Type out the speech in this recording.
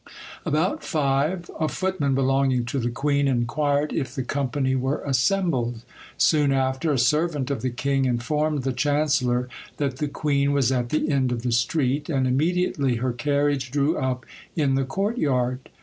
About five, a footman belonging to the queen inquired if the company were assembled. Soon after, a servant of the king informed the chancellor that the queen was at the end of the street; and immediately her carriage drew up in the court yard.